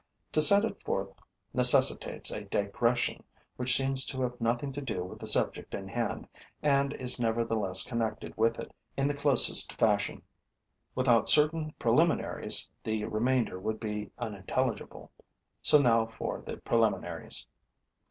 To set it forth necessitates a digression which seems to have nothing to do with the subject in hand and is nevertheless connected with it in the closest fashion. Without certain preliminaries, the remainder would be unintelligible. So now for the preliminaries.